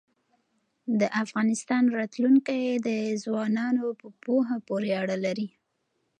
د افغانستان راتلونکی د ځوانانو په پوهه پورې اړه لري.